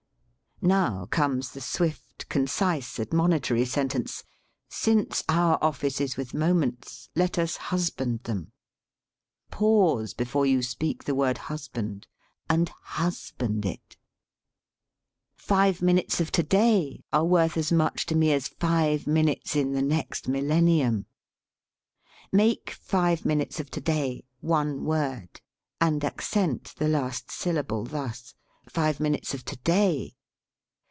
Now comes the swift, concise, admonitory sentence: "Since our office is with moments, let us husband them." Pause before you speak the word "husband," and husband it. "Five 100 TH'E 'H^SAY minutes of to day are worth as much to me as five minutes in the next millennium." Make "five minutes of to day" one word, and accent the last syllable, thus: five min utes of to day.